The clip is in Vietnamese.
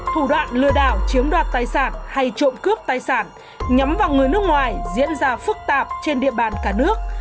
thủ đoạn lừa đảo chiếm đoạt tài sản hay trộm cướp tài sản nhắm vào người nước ngoài diễn ra phức tạp trên địa bàn cả nước